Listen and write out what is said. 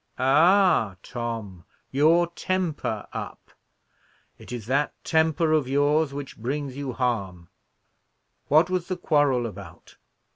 "Ah, Tom! your 'temper up!' It is that temper of yours which brings you harm. What was the quarrel about?"